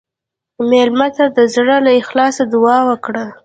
مېلمه ته د زړه له اخلاصه دعا وکړه.